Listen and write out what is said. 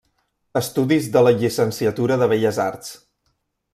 Estudis de la Llicenciatura de Belles Arts.